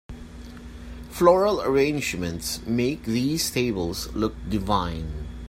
Floral arrangements make these tables look divine.